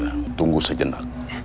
bilang pada dia